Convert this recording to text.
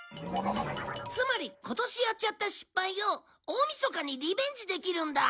つまり今年やっちゃった失敗を大みそかにリベンジできるんだ。